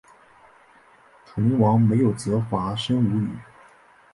楚灵王没有责罚申无宇。